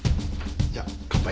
じゃあ乾杯。